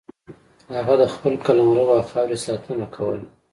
هغه د خپل قلمرو او خاورې ساتنه کوله.